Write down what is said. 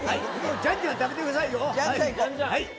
ジャンジャン食べてくださいよ。